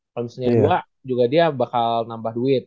kalau misalnya dua juga dia bakal nambah duit